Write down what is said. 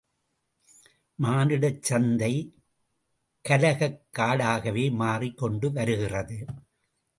மானிடச் சந்தை கலகக்காடாகவே மாறிக் கொண்டும் வருகிறது.